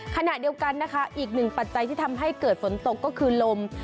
ขณะเดียวกันนะคะอีกหนึ่งปัจจัยที่ทำให้เกิดฝนตกก็คือลม